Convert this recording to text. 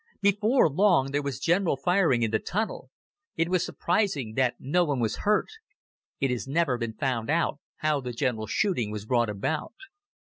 Before long there was general firing in the tunnel. It was surprising that no one was hurt. It has never been found out how the general shooting was brought about.